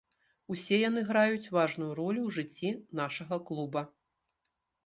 Усе яны граюць важную ролю ў жыцці нашага клуба.